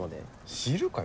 知るかよ！